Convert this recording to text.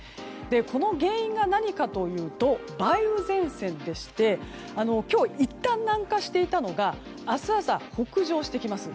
この原因が何かというと梅雨前線でして今日、いったん南下していたのが明日朝、北上してきます。